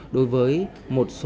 đối với một số nhà đầu tư